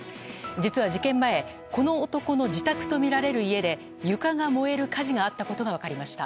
実は事件前この男の自宅とみられる家で床が燃える火事があったことが分かりました。